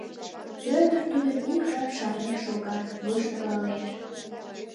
Пӧтыр тудым ик жап шарнен шогат, воштылалеш: